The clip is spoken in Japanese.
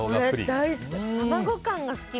大好き！